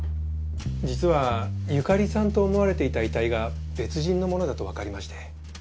実は由香里さんと思われていた遺体が別人のものだとわかりまして。